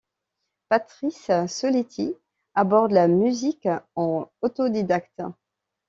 Patrice Soletti aborde la musique en autodidacte.